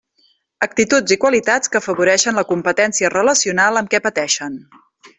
Actituds i qualitats que afavoreixen la competència relacional amb què pateixen.